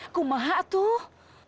aku marah tuh